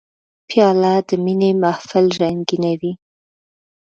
پیاله د مینې محفل رنګینوي.